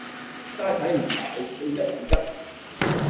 齋睇唔買，正一運吉